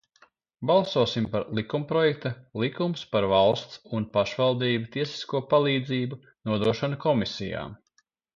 "Balsosim par likumprojekta "Likums par valsts un pašvaldību tiesisko palīdzību" nodošanu komisijām."